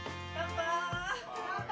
乾杯！